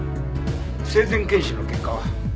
生前検視の結果は？